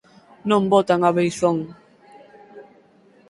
Non botan a beizón!